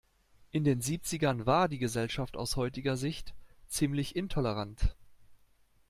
In den Siebzigern war die Gesellschaft aus heutiger Sicht ziemlich intolerant.